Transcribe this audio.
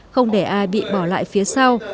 không để ai bị bỏ lại phía sau